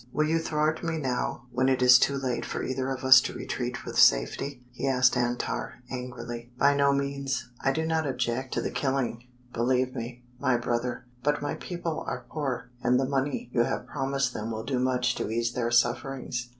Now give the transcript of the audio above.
"Will you thwart me now, when it is too late for either of us to retreat with safety?" he asked Antar, angrily. "By no means. I do not object to the killing, believe me, my brother; but my people are poor, and the money you have promised them will do much to ease their sufferings.